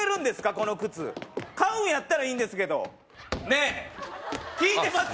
この靴買うんやったらいいんですけどねえ聞いてます？